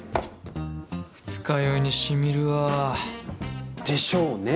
二日酔いにしみるわ。でしょうね。